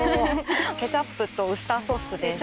ケチャップとウスターソースです。